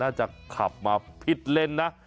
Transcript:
จะขับมาผิดเลนนะ